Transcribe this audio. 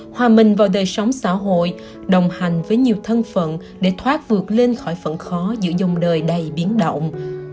hòa mình vào đời sống xã hội đồng hành với nhiều thân phận để thoát vượt lên khỏi phận khó giữa dòng đời đầy biến động